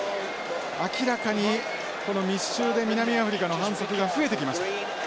明らかにこの密集で南アフリカの反則が増えてきました。